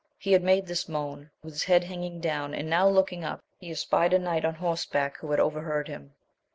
He had made this moan with his head hanging down, and now looking up he espied a knight on horseback, who had overheard him.